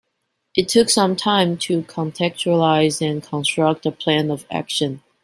It took some time to contextualize and construct a plan of action.